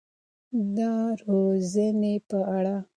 د روزنې په اړه.